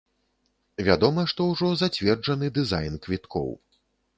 Вядома, што ўжо зацверджаны дызайн квіткоў.